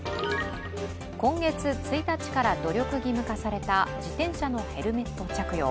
今月１日から努力義務化された自転車のヘルメット着用。